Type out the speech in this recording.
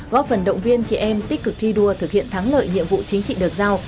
góp phần động viên chị em tích cực thi đua thực hiện thắng lợi nhiệm vụ chính trị được giao